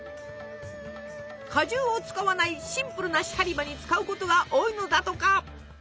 果汁を使わないシンプルなシャリバに使うことが多いのだとか。